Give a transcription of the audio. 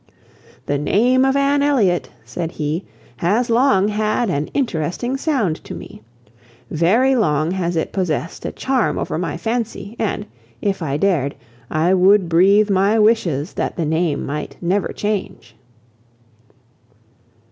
"The name of Anne Elliot," said he, "has long had an interesting sound to me. Very long has it possessed a charm over my fancy; and, if I dared, I would breathe my wishes that the name might never change."